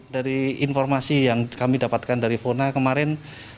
dari informasi yang kami dapatkan dari fona kemarin